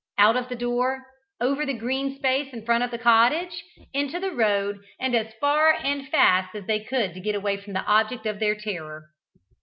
Out of the door, over the green space in front of the cottage, into the road, and as far and fast as they could get away from the object of their terror.